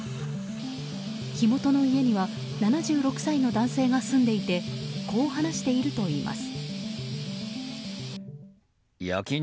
火元の家には７６歳の男性が住んでいてこう話しているといいます。